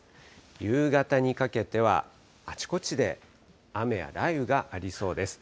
夕方にかけては、あちこちで雨や雷雨がありそうです。